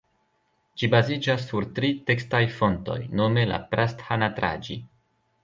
Ĝi baziĝas sur tri tekstaj fontoj nome la "Prasthanatraĝi".